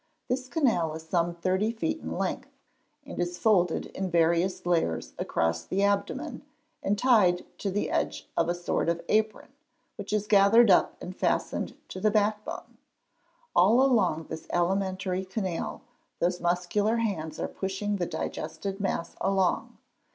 This canal is some thirty feet in length, and is folded in various layers across the abdomen, and tied to the edge of a sort of apron, which is gathered up and fastened to the back bone. All along this alimentary canal those muscular hands are pushing the digested mass along.